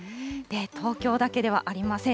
東京だけではありません。